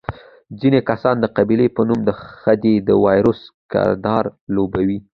ځینې کسان د قبیلې په نوم د خدۍ د وایروس کردار لوبوي.